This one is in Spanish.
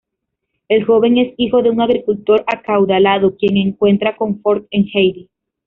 Él joven es hijo de un agricultor acaudalado quien encuentra confort en Heidi.